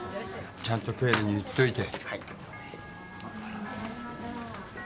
ちゃんと経理に言っといて。